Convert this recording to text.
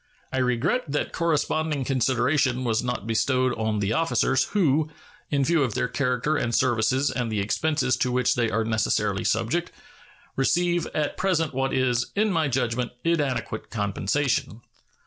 I regret that corresponding consideration was not bestowed on the officers, who, in view of their character and services and the expenses to which they are necessarily subject, receive at present what is, in my judgment, inadequate compensation.